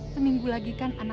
terus aku akan lupa